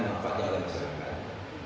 manfaatnya oleh masyarakat